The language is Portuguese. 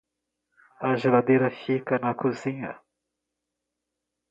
A geladeira fica na cozinha.